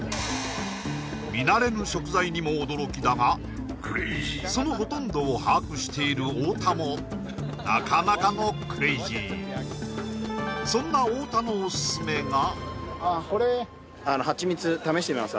見慣れぬ食材にも驚きだがそのほとんどを把握している太田もなかなかのクレイジーそんなアマゾンのえっこれハチミツ？